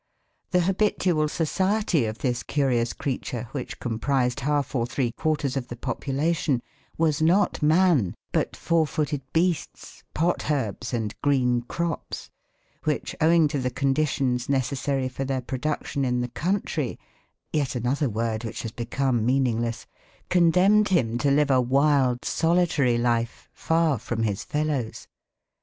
The habitual society of this curious creature which comprised half or three quarters of the population was not man, but four footed beasts, pot herbs and green crops, which, owing to the conditions necessary for their production in the country (yet another word which has become meaningless) condemned him to live a wild, solitary life, far from his fellows.